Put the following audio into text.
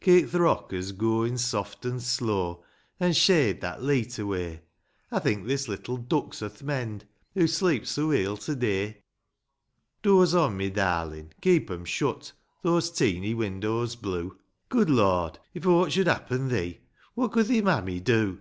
Keep th' rockers gooin' soft and slow, An' shade that leet away ; I think this little duck's o'th mend, Hoo sleeps so weel to day ; Doze on, ray darlin' ; keep 'em shut, — Those teeny' windows blue ; Good Lord ; if aught should happen thee, What could thi mammy do